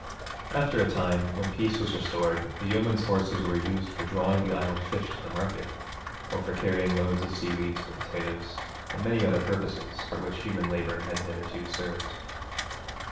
After a time, when peace was restored, the yeomen's horses were used for drawing the Island fish to the market, or for carrying loads of seaweed to the potatoes, and many other purposes for which human labour had hitherto served.